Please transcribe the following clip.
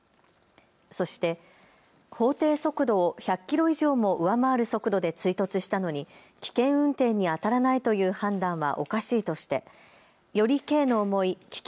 そして法定速度を１００キロ以上も上回る速度で追突したのに危険運転にあたらないという判断はおかしいとしてより刑の重い危険